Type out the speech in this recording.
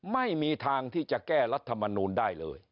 ไม่มีทางที่จะแก้รัฐมนูลได้เลย